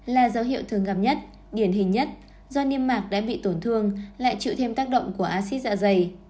là dấu hiệu thường gặp nhất điển hình nhất do niêm mạc đã bị tổn thương lại chịu thêm tác động của acid dạ dày